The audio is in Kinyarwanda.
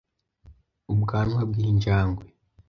Ubwanwa bw’injangwe